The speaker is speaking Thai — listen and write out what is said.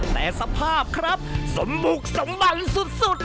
แต่สภาพครับสมบุกสมบัติสุด